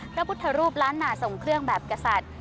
พระพุทธรูปล้านนาทรงเครื่องแบบกษัตริย์